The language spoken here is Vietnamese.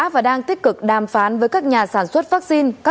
và nâng mức xử phạt để đủ sức gian đe